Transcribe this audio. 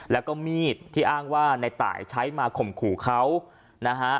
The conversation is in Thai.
แล้วก็มีดที่อ้างว่าในตายใช้มาข่มขู่เขานะฮะ